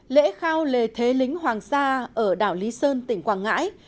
lễ khao lề thế lính hoàng sa ở đảo lý sơn tỉnh quảng ngãi